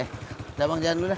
udah bang jalan dulu dah